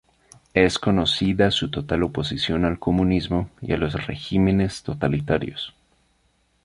Es conocida su total oposición al comunismo y a los regímenes totalitarios.